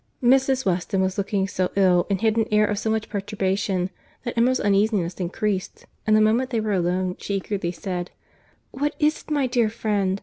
Mrs. Weston was looking so ill, and had an air of so much perturbation, that Emma's uneasiness increased; and the moment they were alone, she eagerly said, "What is it my dear friend?